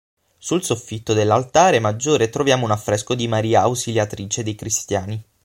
Sul soffitto dell'altare maggiore troviamo un affresco di Maria Ausiliatrice dei Cristiani.